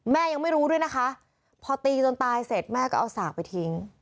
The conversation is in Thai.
ยังไม่รู้ด้วยนะคะพอตีจนตายเสร็จแม่ก็เอาสากไปทิ้ง